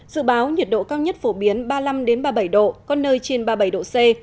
dự báo nhiệt độ cao nhất phổ biến ba mươi năm ba mươi bảy độ có nơi trên ba mươi bảy độ c